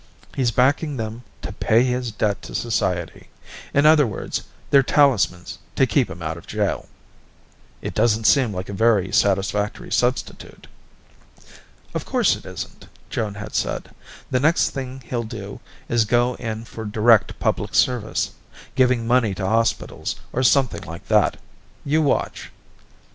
He's backing them to 'pay his debt to society' in other words, they're talismans to keep him out of jail." "It doesn't seem like a very satisfactory substitute." "Of course it isn't," Joan had said. "The next thing he'll do is go in for direct public service giving money to hospitals or something like that. You watch."